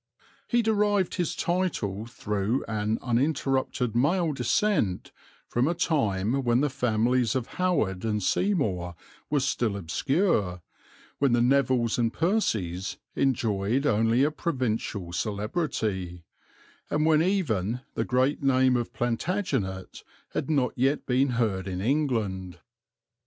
He derived his title through an uninterrupted male descent, from a time when the families of Howard and Seymour were still obscure, when the Nevilles and the Percies enjoyed only a provincial celebrity, and when even the great name of Plantagenet had not yet been heard in England.